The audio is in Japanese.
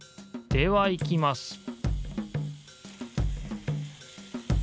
では行きます